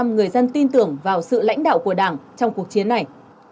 chín mươi ba người dân tin tưởng vào sự lãnh đạo của đảng trong cuộc chiến này